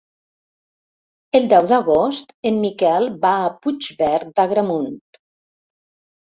El deu d'agost en Miquel va a Puigverd d'Agramunt.